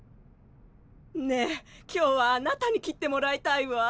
ねえ今日はあなたに切ってもらいたいわ！